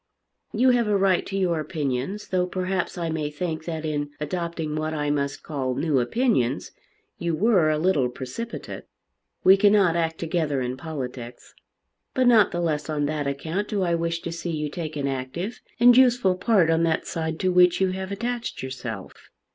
You have a right to your opinions, though perhaps I may think that in adopting what I must call new opinions you were a little precipitate. We cannot act together in politics. But not the less on that account do I wish to see you take an active and useful part on that side to which you have attached yourself."